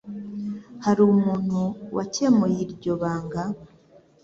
Hari umuntu wakemuye iryo banga?